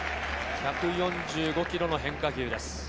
１４５キロの変化球です。